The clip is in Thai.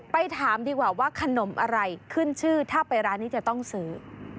ถามดีกว่าว่าขนมอะไรขึ้นชื่อถ้าไปร้านนี้จะต้องซื้อ